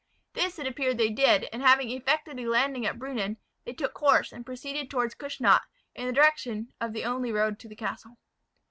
This, it appeared they did, and having effected a landing at Brunnen, they took horse, and proceeded towards Kussnacht, in the direction. of the only road to the castle.